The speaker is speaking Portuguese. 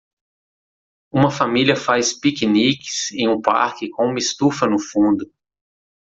Uma família faz piqueniques em um parque com uma estufa no fundo.